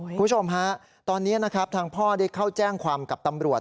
คุณผู้ชมฮะตอนนี้นะครับทางพ่อได้เข้าแจ้งความกับตำรวจ